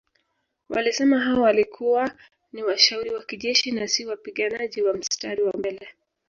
Walisema hao walikuwa ni washauri wa kijeshi na si wapiganaji wa mstari wa mbele